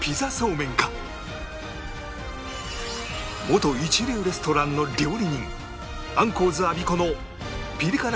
元一流レストランの料理人アンコウズアビコのピリ辛！